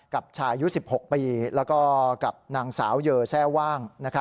กับชายอายุ๑๖ปีแล้วก็กับนางสาวเยอแทร่ว่าง